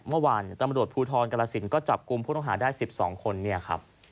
เมื่อวานตำรวจภูทรกรสินก็จับกลุ่มผู้ต้องหาได้๑๒คนเนี่ยครับ